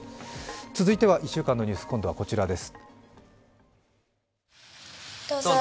続いては１週間のニュース、今度はこちらです。